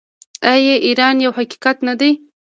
آیا ایران یو حقیقت نه دی؟